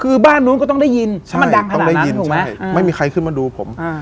คือบ้านโน้นก็ต้องได้ยินถ้ามันดังขนาดนั้นถูกไหมใช่ต้องได้ยินใช่ไม่มีใครขึ้นมาดูผม